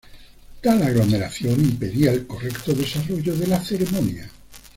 Tal aglomeración impedía el correcto desarrollo de la ceremonia.